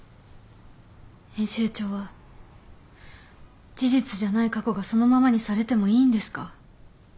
編集長は事実じゃない過去がそのままにされてもいいんですか？